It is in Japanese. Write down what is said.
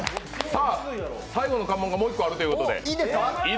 さあ、最後の関門がもう一個あるということで。